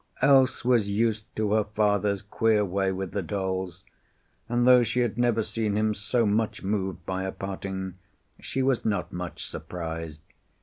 Else was used to her father's queer ways with the dolls, and though she had never seen him so much moved by a parting, she was not much surprised.